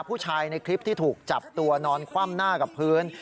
ผู้ชายในคลิปที่ถูกจับตัวนอนคว่ำหน้ากับพื้น